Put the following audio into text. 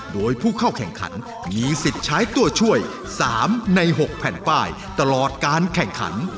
โดยผู้เข้าแข่งขันมีสิทธิ์ใช้ตัวช่วย๓ใน๖แผ่นป้ายตลอดการแข่งขัน